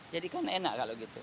jadi kan enak kalau gitu